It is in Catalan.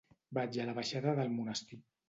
Vaig a la baixada del Monestir.